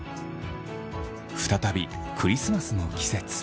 再びクリスマスの季節。